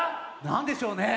なんでしょうね。